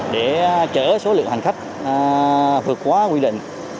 để chở số lượng hành khách vượt quá quy định